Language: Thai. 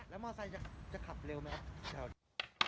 แล้วมอเตอร์ไซค์จะขับเร็วไหมครับ